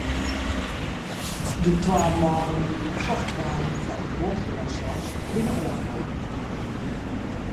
De twa manlju dy't socht waarden foar de bomoanslach, binne oanholden.